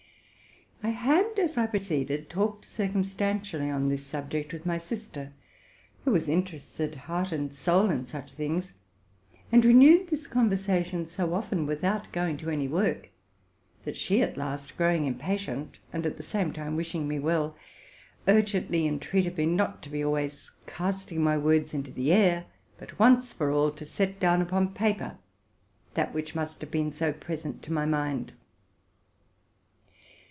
I had, RELATING TO MY LIFE. 153 as I proceeded, talked circumstantially on this subject with my sister, who was interested, heart and soul, in such things, and renewed this conversation so often, without going to any work, that she at last, growing impatient, and at the same time wishing me well, urgently entreated me not to be always casting my words into the air, but, once for all, to set down upon paper that which must have been so present to my mind.